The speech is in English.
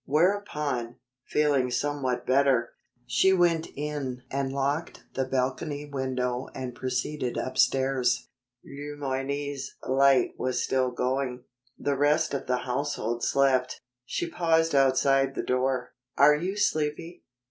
Whereupon, feeling somewhat better, she went in and locked the balcony window and proceeded upstairs. Le Moyne's light was still going. The rest of the household slept. She paused outside the door. "Are you sleepy?"